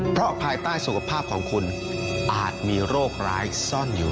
เพราะภายใต้สุขภาพของคุณอาจมีโรคร้ายซ่อนอยู่